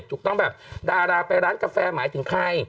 ถูกต้องแบบดาราไปร้านกาแฟหมายถึงใคร